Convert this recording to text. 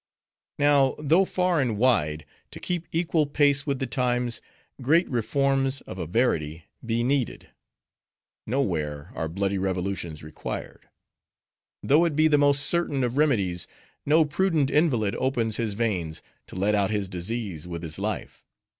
"Now, though far and wide, to keep equal pace with the times, great reforms, of a verity, be needed; nowhere are bloody revolutions required. Though it be the most certain of remedies, no prudent invalid opens his veins, to let out his disease with his life.